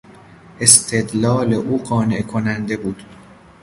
استدلال او قانع کننده بود.